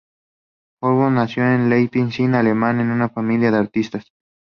Hartung nació en Leipzig, Alemania en una familia de artistas.